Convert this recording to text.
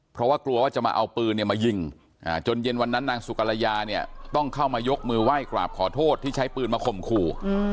เพราะว่ากลัวว่าจะมาเอาปืนมายิงจนเย็นวันนั้นนางสุกรยาเนี่ยต้องเข้ามายกมือไหว้กราบขอโทษที่ใช้ปืนมาข่มขู่